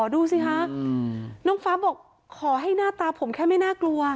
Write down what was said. ดูสิคะน้องฟ้าบอกขอให้หน้าตาผมแค่ไม่น่ากลัว